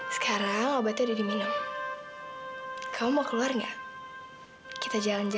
sampai jumpa di video selanjutnya